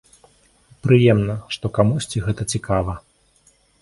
Прыемна, што камусьці гэта цікава.